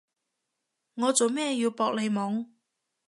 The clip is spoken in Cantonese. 我做咩要搏你懵？